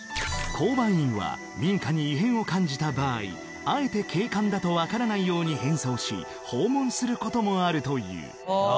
交番員は民家に異変を感じた場合あえて警官だと分からないように変装し訪問することもあるというあ